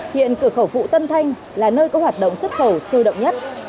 hiện cửa khẩu phụ tân thanh là nơi có hoạt động xuất khẩu sôi động nhất